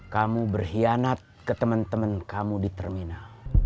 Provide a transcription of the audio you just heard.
kamu berkhianat ke temen temen kamu di terminal